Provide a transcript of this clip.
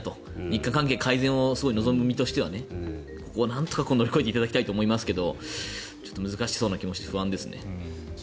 日韓関係改善を望む身としてはここを、なんとか乗り越えていただきたいと思いますがちょっと難しそうな気もして不安ですね。